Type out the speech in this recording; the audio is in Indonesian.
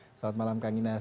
selamat malam kang inas